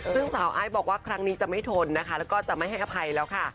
ซึ่งสาวไอซ์บอกว่าครั้งนี้จะไม่ทนนะคะแล้วก็จะไม่ให้อภัยแล้วค่ะ